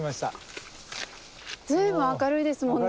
随分明るいですもんね。